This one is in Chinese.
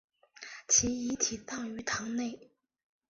其遗体葬于堂内。